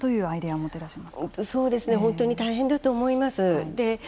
本当に大変だと思います。